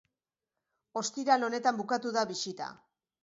Ostiral honetan bukatu da bisita.